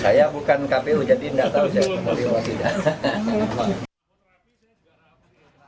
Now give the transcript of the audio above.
saya bukan kpu jadi nggak tahu saya